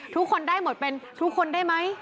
ทุกคนได้หมดเป็นทุกคนได้ไหม